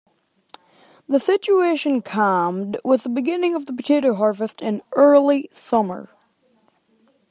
The situation calmed with the beginning of the potato harvest in early summer.